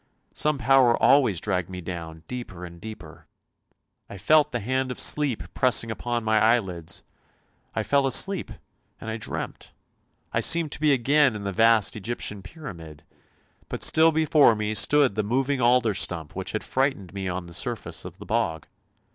Some power always dragged me down, deeper and deeper. I felt the hand of sleep pressing upon my eyelids. I fell asleep, and I dreamt — I seemed to be again in the vast Egyptian Pyramid; but still before me stood the moving alder stump which had frightened me on the surface of the bog.